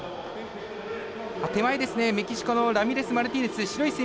手前、メキシコのラミレスマルティネス